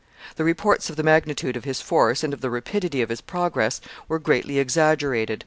The reports of the magnitude of his force and of the rapidity of his progress were greatly exaggerated.